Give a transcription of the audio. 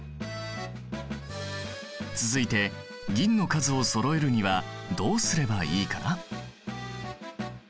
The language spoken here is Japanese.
続いて銀の数をそろえるにはどうすればいいかな？